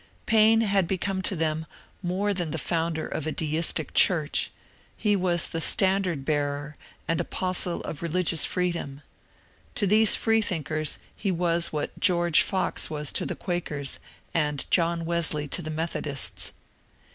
Paine had become to them more than the founder of a deistic church ; he was the standard bearer and apostle of religious freedom ; to these freethinkers he was what George Fox was to the Quakers and John Wesley to the Methodists.